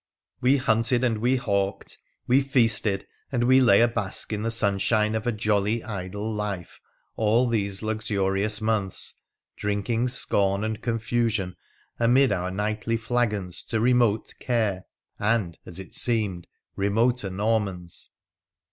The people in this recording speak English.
We hunted and we hawked, we feasted and we lay abask in the sunshine of a jolly, idle life all these luxurious months, drinking scorn and confusion amid our nightly flagons to remote care and (as it seemed) remoter Normans.